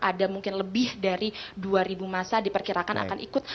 ada mungkin lebih dari dua ribu masa diperkirakan akan ikut